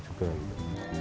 harus diceritakan juga